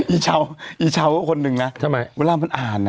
อีเช้าอีเช้าคนหนึ่งนะเวลามันอ่าน